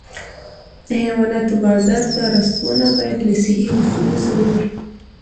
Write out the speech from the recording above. د حیواناتو بازار ته رسونه باید له صحي اصولو سره وي.